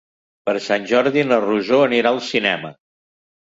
Per Sant Jordi na Rosó anirà al cinema.